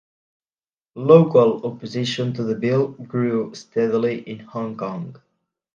Local opposition to the bill grew steadily in Hong Kong.